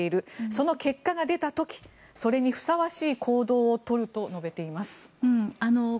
その結果が出た時それにふさわしい行動を取ると述べています。